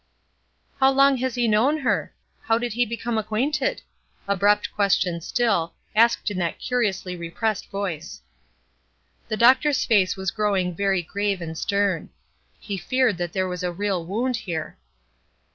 "How long has he known her? How did he become acquainted?" Abrupt questions still, asked in that curiously repressed voice. The doctor's face was growing very grave and stern. He feared that there was a real wound here.